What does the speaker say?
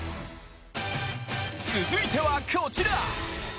続いては、こちら。